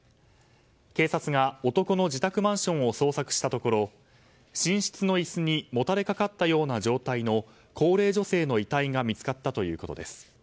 警察が、男の自宅マンションを捜索したところ寝室の椅子にもたれかかったような状態の高齢女性の遺体が見つかったということです。